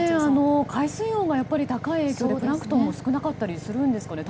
海水温が高い影響でプランクトンも少なかったりするんですかね。